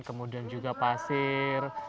kemudian juga pasir